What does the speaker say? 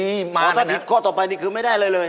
เฮ้ยมานานนะถ้าผิดข้อต่อไปนี่คือไม่ได้เลย